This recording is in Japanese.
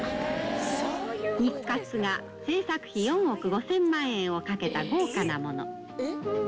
日活が制作費４億５０００万円をかけた豪華なもの。